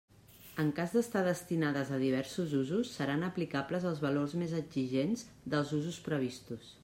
En cas d'estar destinades a diversos usos, seran aplicables els valors més exigents dels usos previstos.